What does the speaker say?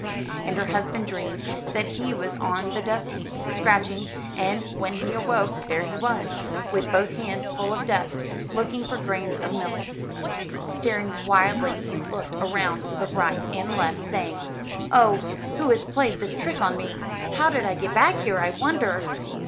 And her husband dreamed that he was on the dust heap, scratching; and when he awoke there he was, with both hands full of dust, looking for grains of millet. Staring wildly he looked around to the right and left, saying: "Oh, who has played this trick on me? How did I get back here, I wonder?"